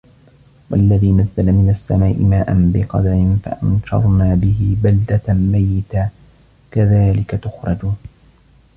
وَالَّذي نَزَّلَ مِنَ السَّماءِ ماءً بِقَدَرٍ فَأَنشَرنا بِهِ بَلدَةً مَيتًا كَذلِكَ تُخرَجونَ